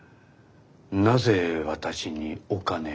なぜ私にお金を？